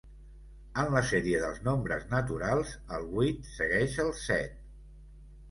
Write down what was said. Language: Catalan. En la sèrie dels nombres naturals, el vuit segueix el set.